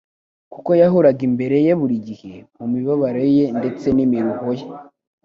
kuko yahoraga imbere ye buri gihe. Mu mibabaro ye ndetse n'imiruho ye,